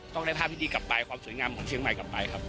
ได้ภาพพิธีกลับไปความสวยงามของเชียงใหม่กลับไปครับ